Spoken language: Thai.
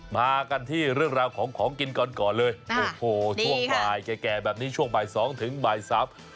มากันที่เรื่องราวของของกินก่อนก่อนเลยโอ้โหช่วงบ่ายแก่แบบนี้ช่วงบ่ายสองถึงบ่ายสาม